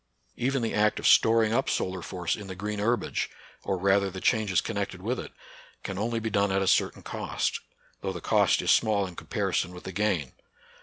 Even the act of storing up solar force in the green herbage, or rather the changes connected with it, can only be done at a certain cost, though the cost is small in comparison with the gain.